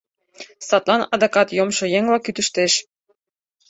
Садлан адакат йомшо еҥла кӱтыштеш.